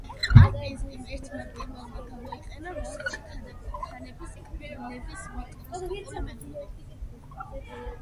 კარპინსკიმ ერთ-ერთმა პირველმა გამოიყენა რუსეთში ქანების კვლევის მიკროსკოპული მეთოდი.